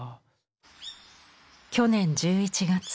去年１１月。